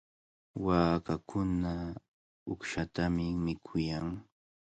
Waakakuna uqshatami mikuyan.